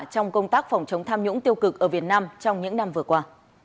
trong công tác phòng chống tham nhũng tiêu cực ở việt nam trong những năm vừa qua